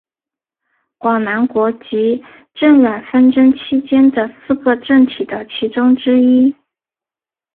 广南国及郑阮纷争期间的四个政体的其中之一。